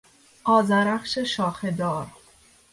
آذرخش شاخهدار